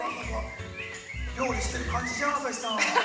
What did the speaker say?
◆料理してる感じじゃん、朝日さん。